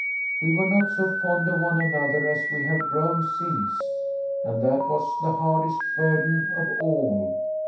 We were not so fond of one another as we have grown since, and that was the hardest burden of all.